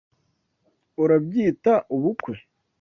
Urabyita ubukwe? (fcbond)